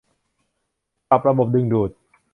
ปรับระบบดึงดูด